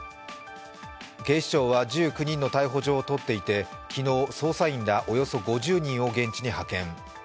警視庁は１９人の逮捕状を取っていて昨日、捜査員らおよそ５０人を現地に派遣。